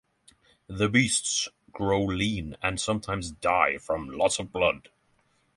The beasts grow lean and sometimes die from loss of blood.